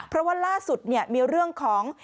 เพราะว่าล่าสุดมีเรื่องของ